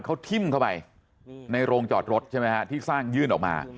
เขาทิ้มเข้าไปในโรงจอดรถใช่ไหมฮะที่สร้างยื่นออกมา